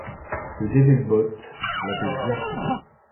ce Devil-Boat, l’avait bien prouvé.